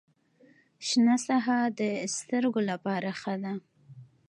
شنه ساحه د سترګو لپاره ښه ده.